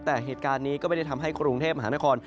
แต่เหตุการณ์นี้ก็ไม่ได้ทำให้กรุงเทพมหานคร